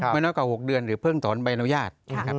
ไม่น้อยกว่า๖เดือนหรือเพิ่งถอนใบอนุญาตนะครับ